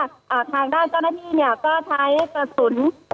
แต่ว่าทางด้านเจ้านักยี่ก็ใช้กระสุน